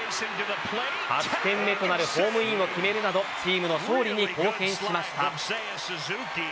８点目となるホームインを決めるなどチームの勝利に貢献しました。